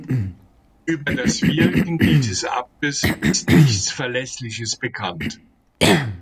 Über das Wirken dieses Abtes ist nichts Verlässliches bekannt.